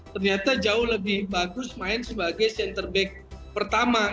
ternyata jauh lebih bagus main sebagai center back pertama